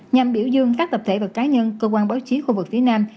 nhằm biểu dương các tập thể và cá nhân cơ quan báo chí khu vực phía nam